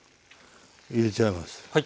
入れちゃいます。